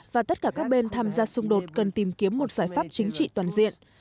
và tất cả các bên tham gia xung đột cần tìm kiếm một giải pháp chính trị toàn diện